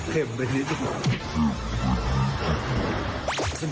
เข็มไปนิดหนึ่ง